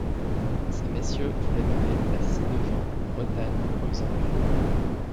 Ces Messieurs voulaient donner la ci-devant Bretagne aux Anglais.